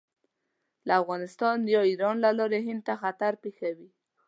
له افغانستان یا ایران له لارې هند ته خطر پېښوي.